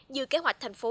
như kế hoạch thành phố